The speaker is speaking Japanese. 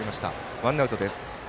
ワンアウトです。